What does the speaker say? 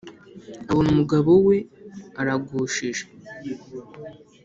abona umugabo we aragushije